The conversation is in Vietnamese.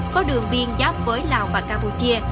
có đường biên giáp với lào và campuchia